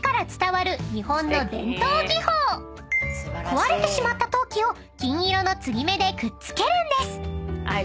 ［壊れてしまった陶器を金色の継ぎ目でくっつけるんです］